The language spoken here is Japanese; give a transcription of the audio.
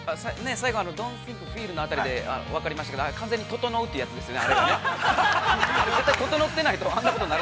◆最後、ドン・シンク・フィールというところでわかりましたけど、完全にととのうってやつですよね。